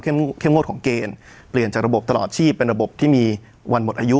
เข้มงวดของเกณฑ์เปลี่ยนจากระบบตลอดชีพเป็นระบบที่มีวันหมดอายุ